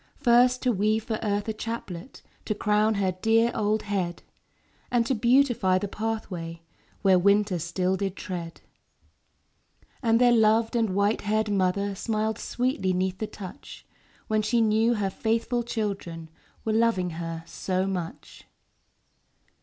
First to weave for Earth a chaplet To crown her dear old head; And to beautify the pathway Where winter still did tread. And their loved and white haired mother Smiled sweetly 'neath the touch, When she knew her faithful children Were loving her so much.